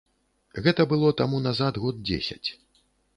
Гэта было таму назад год дзесяць.